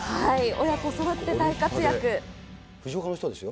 親子そろって大活躍。